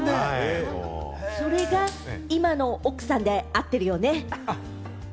それが今の奥さんで合ってますよね？